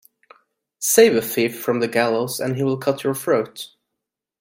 Save a thief from the gallows and he will cut your throat.